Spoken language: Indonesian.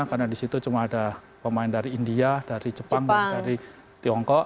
karena di situ cuma ada pemain dari india dari jepang dari tiongkok